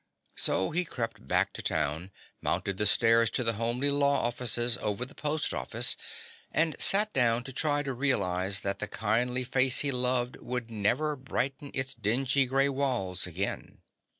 So he crept back to town, mounted the stairs to the homely law offices over the post office and sat down to try to realize that the kindly face he loved would never brighten its dingy gray walls again.